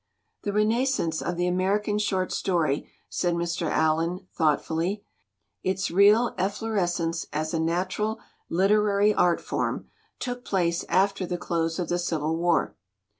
"The renascence of the American short story," said Mr. Allen, thoughtfully, "its real efflorescence as a natural literary art form, took place after the close of the Civil War.